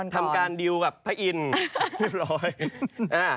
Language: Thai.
ทำการดิวกับพระอินทร์เรียบร้อย